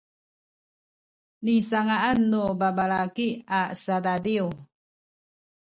nisanga’an nu babalaki a sadadiw